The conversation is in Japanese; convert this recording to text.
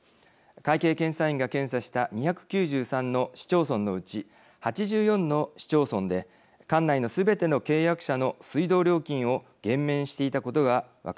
会計検査院が検査した２９３の市町村のうち８４の市町村で管内のすべての契約者の水道料金を減免していたことが分かりました。